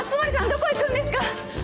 どこ行くんですか！